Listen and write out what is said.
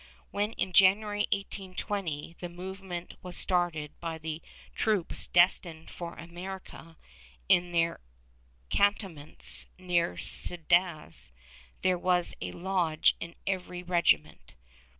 When, in January, 1820, the movement was started by the troops destined for America, in their cantonments near Cadiz, there was a lodge in every regiment.